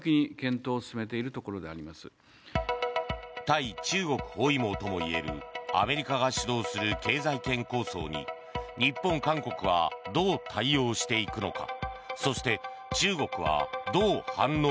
対中国包囲網ともいえるアメリカが主導する経済圏構想に日本、韓国はどう対応していくのか。